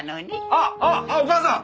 あっあっお母さん！